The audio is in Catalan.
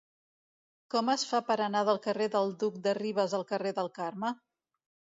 Com es fa per anar del carrer del Duc de Rivas al carrer del Carme?